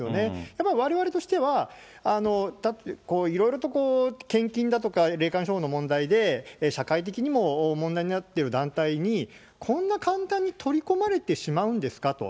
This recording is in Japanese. やっぱわれわれとしては、いろいろと献金だとか、霊感商法の問題で、社会的にも問題になっている団体に、こんな簡単に取り込まれてしまうんですかと。